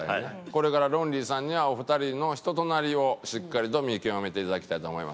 これからロンリーさんにはお二人の人となりをしっかりと見極めていただきたいと思います。